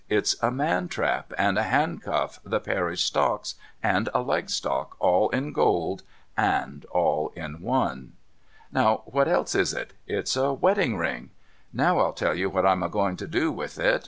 It's a man trap and a handcuff, the parish stocks and a leg lock, all in gold antl all in one. Now what else is it ? It's a wedding ring. Now I'll tell you what I'm a going to do with it.